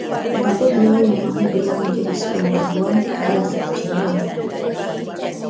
Bapa beliau yang mahu beliau menjadi seorang peguam, berasa kecewa